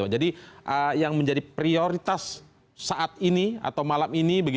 jadi yang menjadi prioritas saat ini atau malam ini